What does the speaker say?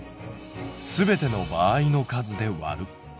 すべての場合の数でわる。